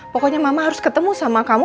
pokoknya mama harus ketemu sama kamu